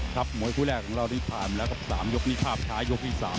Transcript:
มวยคู่แรกของเราที่ผ่านมาแล้วครับ๓ยกนี่ภาพช้ายกที่๓